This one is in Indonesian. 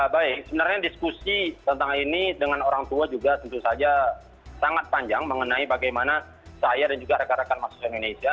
baik sebenarnya diskusi tentang ini dengan orang tua juga tentu saja sangat panjang mengenai bagaimana saya dan juga rekan rekan mahasiswa indonesia